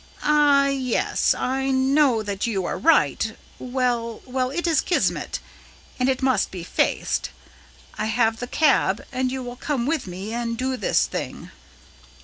"Ah, yes, I know that you are right. Well, well, it is kismet, and it must be faced. I have the cab, and you will come with me and do this thing."